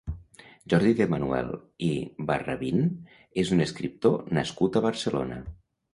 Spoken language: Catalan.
Jordi de Manuel i Barrabín és un escriptor nascut a Barcelona.